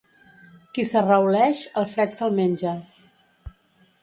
Qui s'arrauleix, el fred se'l menja.